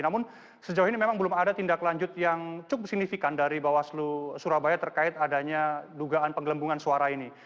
namun sejauh ini memang belum ada tindak lanjut yang cukup signifikan dari bawaslu surabaya terkait adanya dugaan penggelembungan suara ini